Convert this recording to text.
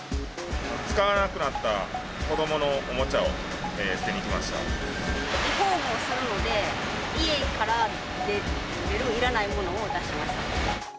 使わなくなった子どものおもリフォームをするので、家から出るいらないものを出しました。